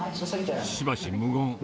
しばし無言。